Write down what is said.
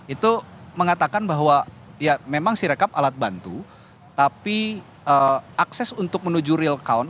itu mengatakan bahwa ya memang sirekap alat bantu tapi akses untuk menuju real count